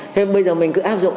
thế bây giờ mình cứ áp dụng